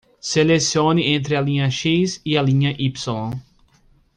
Selecione entre a linha X e a linha Y.